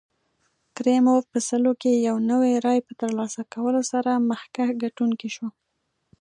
کریموف په سلو کې یو نوي رایې په ترلاسه کولو سره مخکښ ګټونکی شو.